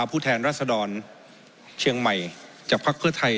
ผู้แทนรัศดรเชียงใหม่จากภาคครัฐไทย